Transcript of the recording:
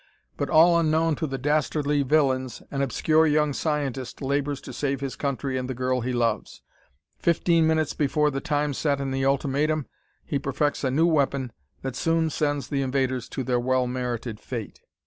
But, all unknown to the dastardly villains, an obscure young scientist labors to save his country and the girl he loves. Fifteen minutes before the time set in the ultimatum he perfects a new weapon that soon sends the invaders to their well merited fate.